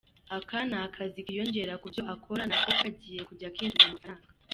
Aka ni akazi kiyongera ku byo akora nako kagiye kujya kinjiza amafaranga.